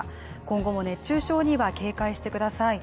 今後も熱中症には警戒してください。